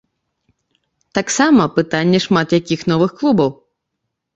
Таксама пытанне шмат якіх новых клубаў.